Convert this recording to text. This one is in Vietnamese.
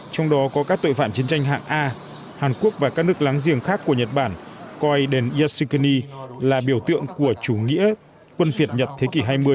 trong đó có các tội phạm chiến tranh hạng a hàn quốc và các nước láng giềng khác của nhật bản coi đền iyashikuni là biểu tượng của chủ nghĩa quân việt nhật thế kỷ hai mươi